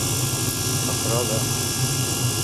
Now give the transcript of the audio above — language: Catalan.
En pro de.